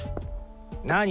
何？